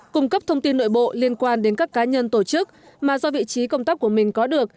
cung cấp thông tin nội bộ liên quan đến các cá nhân tổ chức mà do vị trí công tác của mình có được